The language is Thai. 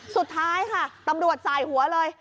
สุดท้ายค่ะตำรวจสายหัวเลย